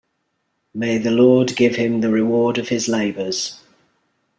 May the Lord give him the reward of his labors.